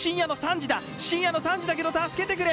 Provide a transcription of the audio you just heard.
深夜の３時だけど、助けてくれ。